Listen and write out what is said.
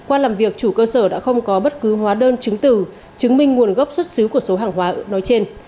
qua làm việc chủ cơ sở đã không có bất cứ hóa đơn chứng từ chứng minh nguồn gốc xuất xứ của số hàng hóa nói trên